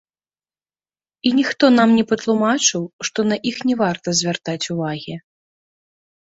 І ніхто нам не патлумачыў, што на іх не варта звяртаць увагі.